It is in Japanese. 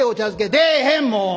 「出えへんもう！